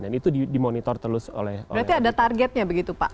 berarti ada targetnya begitu pak